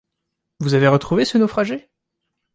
Vous avez retrouvé ce naufragé?